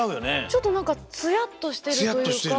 ちょっとなんかツヤっとしてるというか。